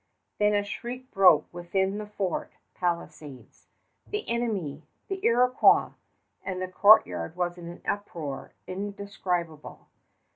Then a shriek broke within the fort palisades, "The enemy! the Iroquois!" and the courtyard was in an uproar indescribable.